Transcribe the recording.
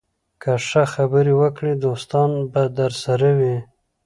که ښه خبرې وکړې، دوستان به درسره وي